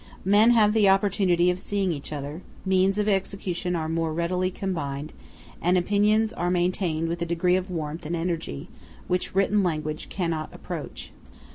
Men have the opportunity of seeing each other; means of execution are more readily combined, and opinions are maintained with a degree of warmth and energy which written language cannot approach.